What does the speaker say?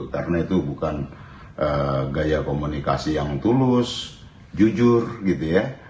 karena itu bukan gaya komunikasi yang tulus jujur gitu ya